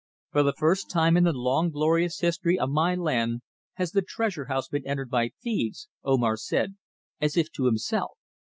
"For the first time in the long, glorious history of my land has the Treasure house been entered by thieves," Omar said, as if to himself.